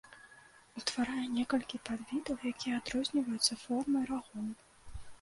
Утварае некалькі падвідаў, якія адрозніваюцца формай рагоў.